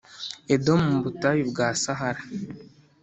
Edomu mu butayu bwa sahara